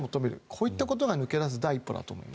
こういったことが抜け出す第一歩だと思います。